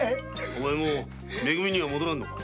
お前もうめ組には戻らんのか？